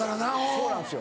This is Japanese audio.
そうなんですよ。